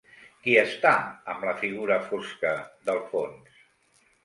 Qui està amb la figura fosca del fons?